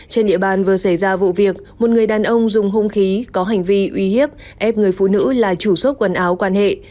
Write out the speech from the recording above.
trên địa bàn vừa xảy ra vụ việc một người đàn ông dùng hung khí có hành vi uy hiếp ép người phụ nữ là chủ số quần áo quan hệ